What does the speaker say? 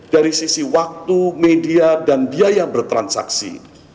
dari sisi waktu media dan biaya bertransaksi